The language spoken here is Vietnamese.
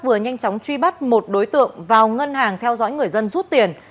vừa nhanh chóng truy bắt một đối tượng vào ngân hàng theo dõi người dân rút tiền